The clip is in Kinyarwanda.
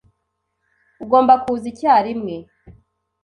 Ugomba kuza icyarimwe.